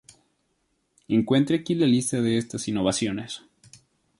Encuentre aquí la lista de estas innovaciones.